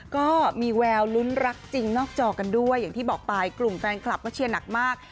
ก็มีแววลุ้นรักจริงนอกจอกันด้วยอย่างที่บอกไปกลุ่มแฟนคลับก็เชียร์หนักมาก